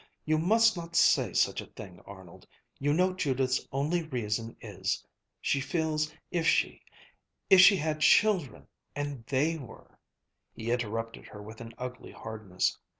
"You must not say such a thing, Arnold. You know Judith's only reason is she feels if she if she had children and they were " He interrupted her with an ugly hardness.